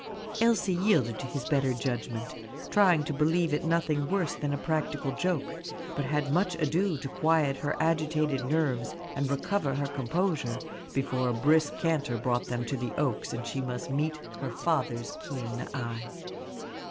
Elsie yielded to his better judgment, trying to believe it nothing worse than a practical joke; but had much ado to quiet her agitated nerves and recover her composure before a brisk canter brought them to the Oaks, and she must meet her father's keen eye.